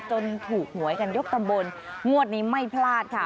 ถูกหวยกันยกตำบลงวดนี้ไม่พลาดค่ะ